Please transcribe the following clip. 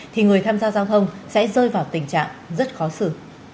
thì người tham gia giao thông sẽ rơi vào tình trạng rất khó xử